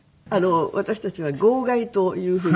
私たちは「号外」という風に。